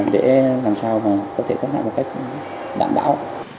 để làm sao mà có thể thoát nạn một cách đảm bảo